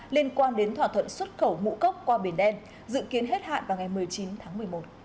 liên quan đến thỏa thuận xuất khẩu ngũ cốc qua biển đen dự kiến hết hạn vào ngày một mươi chín tháng một mươi một